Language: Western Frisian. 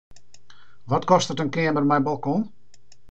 Wat kostet in keamer mei balkon?